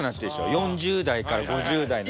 ４０代から５０代の。